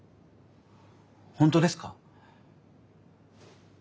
本当ですか？